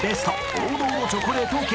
王道のチョコレートケーキ］